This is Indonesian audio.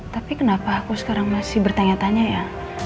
tapi kenapa aku sekarang masih bertanya tanya ya